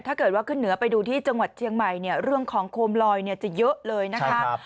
ถ้าเกิดว่าขึ้นเหนือไปดูที่จังหวัดเชียงใหม่เนี่ยเรื่องของโคมลอยจะเยอะเลยนะคะ